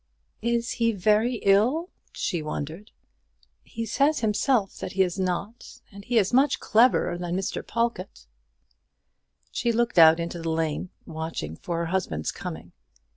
"Is he very ill?" she wondered. "He says himself that he is not: and he is much cleverer than Mr. Pawlkatt." She looked out into the lane, watching for her husband's coming.